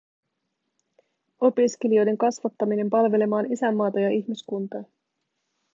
Opiskelijoiden kasvattaminen palvelemaan isänmaata ja ihmiskuntaa.